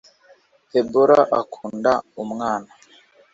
debora akunda umwana.